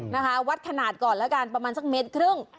นะคะวัดขนาดก่อนแล้วกันประมาณสักเมตรครึ่ง